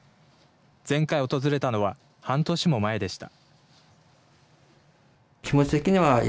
前回訪れたのは半年も前でした。